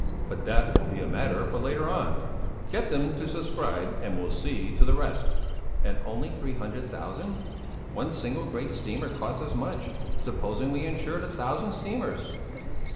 But that will be a matter for later on. Get them to subscribe, and we'll see to the rest." "And only three hundred thousand? One single great steamer costs as much. Supposing we insured a thousand steamers?"